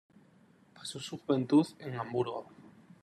Pasó su juventud en Hamburgo.